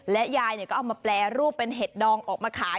ยายก็เอามาแปรรูปเป็นเห็ดดองออกมาขาย